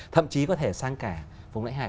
thậm chí có thể sang cả vùng lãnh hải